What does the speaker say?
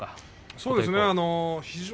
そうですね